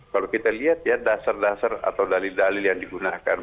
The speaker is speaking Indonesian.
kalau kita lihat ya dasar dasar atau dalil dalil yang digunakan